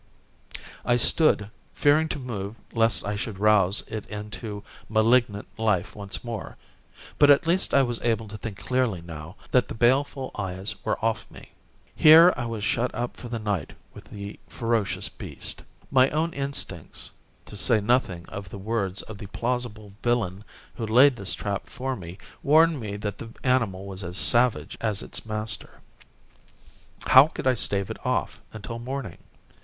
I stood, fearing to move lest I should rouse it into malignant life once more. But at least I was able to think clearly now that the baleful eyes were off me. Here I was shut up for the night with the ferocious beast. My own instincts, to say nothing of the words of the plausible villain who laid this trap for me, warned me that the animal was as savage as its master. How could I stave it off until morning?